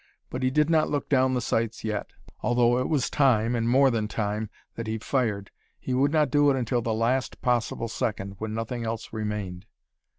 But he did not look down the sights yet. Although it was time, and more than time, that he fired, he would not do it until the last possible second, when nothing else remained.